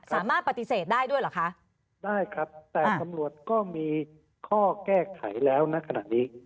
สามารถปฏิเสธได้ด้วยเหรอคะได้ครับแต่ตำรวจก็มีข้อแก้ไขแล้วณขณะนี้